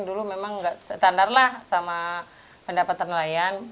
dulu memang nggak standar lah sama pendapatan nelayan